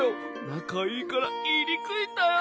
なかいいからいいにくいんだよ。